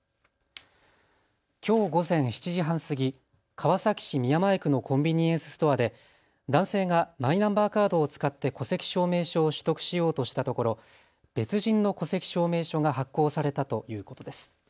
きょう午前７時半過ぎ、川崎市宮前区のコンビニエンスストアで男性がマイナンバーカードを使って戸籍証明書を取得しようとしたところ別人の戸籍証明書が発行されたということです。